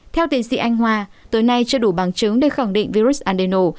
theo tiến sĩ anh hoa tối nay chưa đủ bằng chứng để khẳng định virus adeno